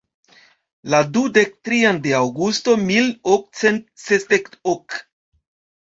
La dudek trian de Aŭgusto mil okcent sesdek ok.